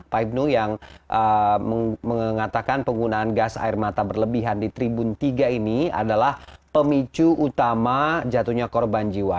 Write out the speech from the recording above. pak ibnu yang mengatakan penggunaan gas air mata berlebihan di tribun tiga ini adalah pemicu utama jatuhnya korban jiwa